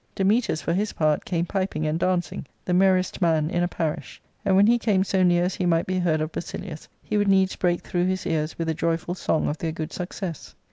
Dametas for his part came piping and dancing, the merriest man in a parish ; and when he came so near as he might be heard of Basilius, he would needs break through his ears with a joyful song of their good success.